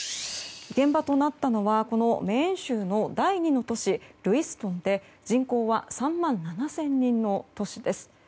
現場となったのはメーン州の第２の都市ルイストンで、人口は３万７０００人の都市です。